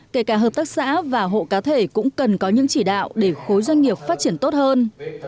kể cả hợp tác xã và hộ cá thể cũng cần có những chỉ đạo để khối doanh nghiệp phát triển tốt hơn